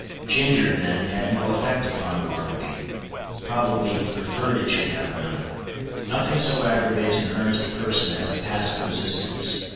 Ginger, then, had no effect upon Bartleby. Probably he preferred it should have none. Nothing so aggravates an earnest person as a passive resistance.